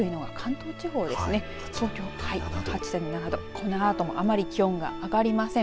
東京８．７度このあともあまり気温が上がりません。